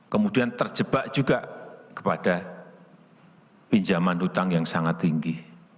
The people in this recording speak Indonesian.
kemudian terjebak juga kepada pinjaman hutang yang sangat tinggi